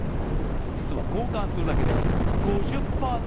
実は交換するだけで５０％